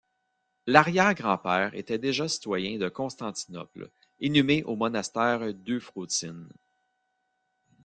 L'arrière-grand-père était déjà citoyen de Constantinople, inhumé au monastère d'Euphrosyne.